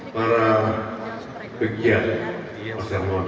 para pegiat masyarakat